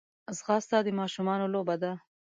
ځغاسته د ماشومانو لوبه ده